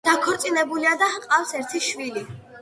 დაქორწინებულია და ჰყავს ერთი შვილი.